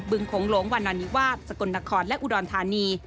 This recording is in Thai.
โขงหลวงวันนานิวาสสกลนครและอุดรธานี